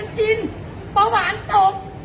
จำเขาโน่น